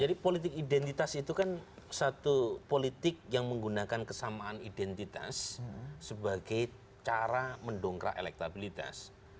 jadi politik identitas itu kan satu politik yang menggunakan kesamaan identitas sebagai cara mendongkrak elektabilitas